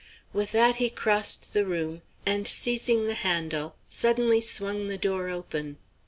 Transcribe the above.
With that he crossed the room, and seizing the handle suddenly swung the door open.